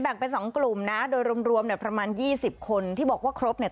เป็นสองกลุ่มนะโดยรวมรวมเนี่ยประมาณยี่สิบคนที่บอกว่าครบเนี่ย